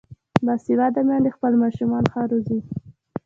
باسواده میندې خپل ماشومان ښه روزي.